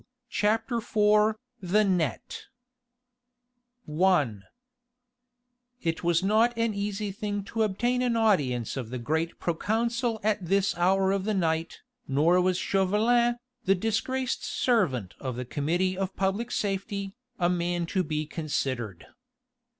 CHAPTER IV THE NET I It was not an easy thing to obtain an audience of the great proconsul at this hour of the night, nor was Chauvelin, the disgraced servant of the Committee of Public Safety, a man to be considered.